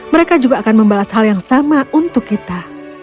mereka juga akan membalas hal yang sama untuk kita